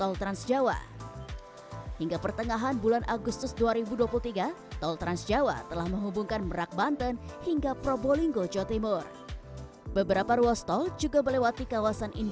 luar biasa selamat tbib lagi